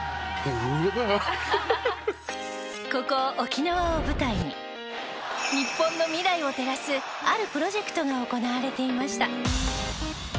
ここ沖縄を舞台に日本の未来を照らすあるプロジェクトが行われていました。